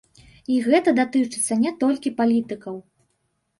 І гэта датычыцца не толькі палітыкаў.